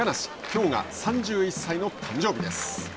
きょうが３１歳の誕生日です。